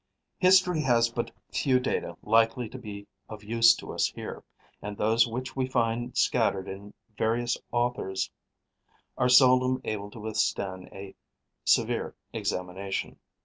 History has but few data likely to be of use to us here; and those which we find scattered in various authors are seldom able to withstand a severe examination.